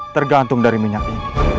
tergantung dari minyak ini